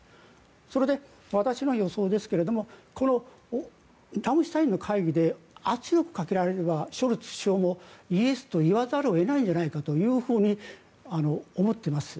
それで私の予想ですがこのラムシュタインの会議で圧力をかけられればショルツ首相もイエスと言わざるを得ないんじゃないかというふうに思っています。